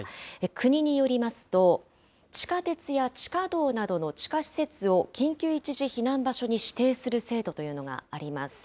国によりますと、地下鉄や地下道などの地下施設を緊急一時避難場所に指定する制度というのがあります。